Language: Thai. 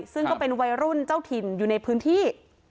ซึ่งก็เป็นวัยรุ่นเจ้าถิ่นอยู่ในพื้นที่